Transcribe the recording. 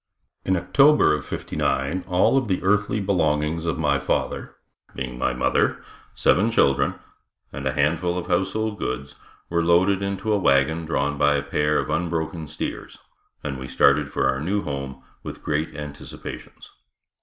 In October of '59 all of the earthly belongings of my father, being my mother, seven children and a handful of household goods, were loaded into a wagon drawn by a pair of unbroken steers, and we started for our new home with great anticipations.